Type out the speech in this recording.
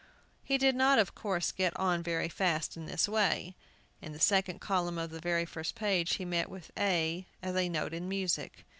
He did not, of course, get on very fast in this way. In the second column of the very first page he met with A as a note in music.